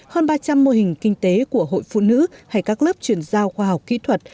hơn ba trăm linh mô hình kinh tế của hội phụ nữ hay các lớp chuyển giao khoa học kỹ thuật